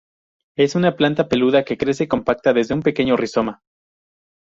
Es una planta peluda que crece compacta desde un pequeño rizoma.